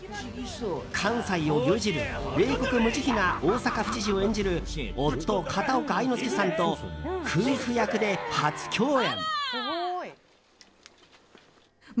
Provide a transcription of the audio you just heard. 関西を牛耳る冷酷無慈悲な大阪府知事を演じる夫・片岡愛之助さんと夫婦役で初共演。